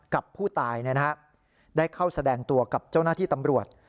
กับผู้ตายได้เข้าแสดงตัวกับเจ้าหน้าที่ตำรวจ